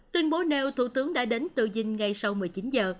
tuyên bố nêu thủ tướng đã đến tự dinh ngay sau một mươi chín giờ